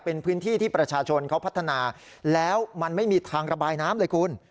เป็นพื้นที่ที่ประชาชนเขาพัฒนาแล้วมันไม่มีทางระบายน้ำเลยคุณ